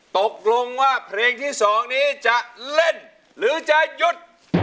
ตกลงว่าเพลงที่๒นี้จะเล่นหรือจะหยุด